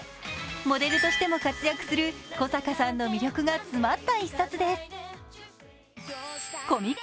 モデルとしても活躍する小坂さんの魅力が詰まった一冊です。